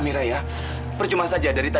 makanya kamu nunggu lagi pak